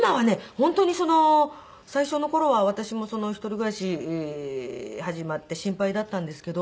本当に最初の頃は私も一人暮らし始まって心配だったんですけど。